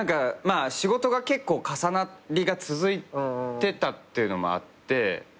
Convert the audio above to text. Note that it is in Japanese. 仕事が結構重なりが続いてたっていうのもあって。